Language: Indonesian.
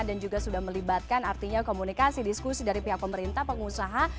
dan juga sudah melibatkan artinya komunikasi diskusi dari pihak pemerintah pengusaha